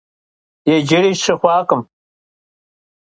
Yicıri şı xhuakhım.